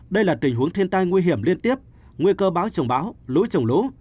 đây là tình huống thiên tai nguy hiểm liên tiếp nguy cơ bão trồng bão lũ trồng lũ